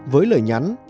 với lời nhắn